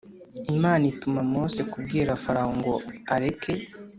Imana ituma Mose kubwira Farawo ngo areke